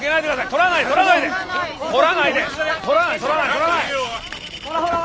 撮らないで。